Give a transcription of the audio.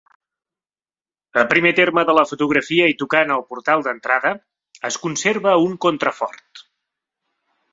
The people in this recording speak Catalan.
A primer terme de la fotografia i tocant al portal d'entrada, es conserva un contrafort.